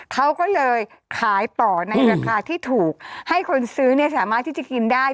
เขาก็เลยขายต่อในราคาที่ถูกให้คนซื้อเนี่ยสามารถที่จะกินได้